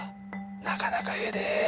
なかなかええで。